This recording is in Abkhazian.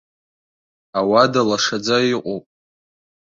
Ауада лашаӡа иҟоуп.